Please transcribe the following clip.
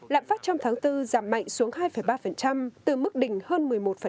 lạm phát trong tháng bốn giảm mạnh xuống hai ba từ mức đỉnh hơn một mươi một